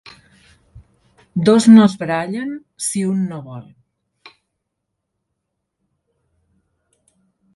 Dos no es barallen si un no vol.